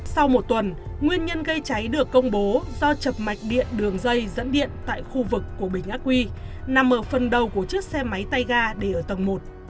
sau một tuần nguyên nhân gây cháy được công bố do chập mạch điện đường dây dẫn điện tại khu vực của bình ác quy nằm ở phần đầu của chiếc xe máy tay ga để ở tầng một